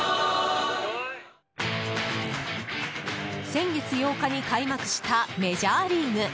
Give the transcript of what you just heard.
先月８日に開幕したメジャーリーグ。